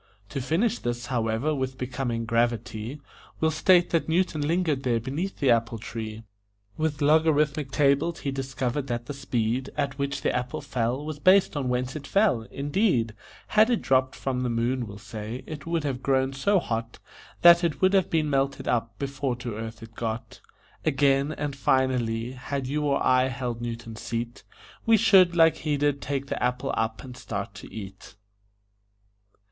To finish this, however, with becoming gravity, We'll state that Newton lingered there beneath the apple tree; With logarithmic tables he discovered that the speed At which the apple fell was based on whence it fell indeed, Had it dropped from the moon, we'll say, it would have grown so hot That it would have been melted up before to earth it got. Again, and finally, had you or I held Newton's seat, We should, like he did, take the apple up and start to eat.